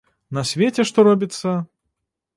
На свеце што робіцца!